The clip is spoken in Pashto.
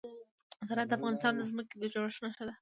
زراعت د افغانستان د ځمکې د جوړښت نښه ده.